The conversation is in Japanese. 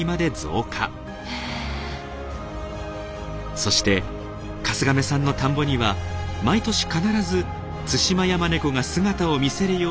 そして春日亀さんの田んぼには毎年必ずツシマヤマネコが姿を見せるようになりました。